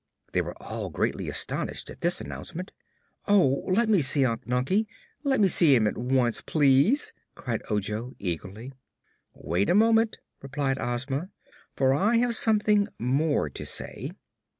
They were all greatly astonished at this announcement. "Oh, let me see Unc Nunkie! Let me see him at once, please!" cried Ojo eagerly. "Wait a moment," replied Ozma, "for I have something more to say.